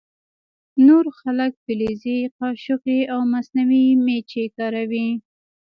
نور خلک فلزي قاشقې او مصنوعي مچۍ کاروي